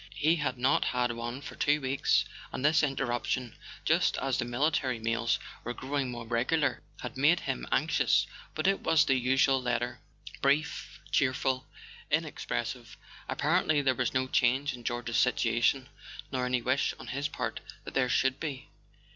He had not had one for two weeks, and this interruption, just as the military mails were growing more regular, had made him anx¬ ious. But it was the usual letter: brief, cheerful, inex¬ pressive. Apparently there was no change in George's situation, nor any wish on his part that there should be.